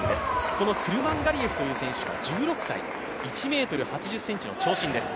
このクルマンガリエフという選手１６歳、１ｍ８６ｃｍの長身です。